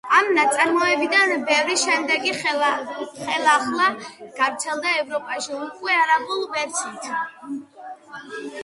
ამ ნაწარმოებთაგან ბევრი შემდეგში ხელახლა გავრცელდა ევროპაში უკვე არაბული ვერსიით.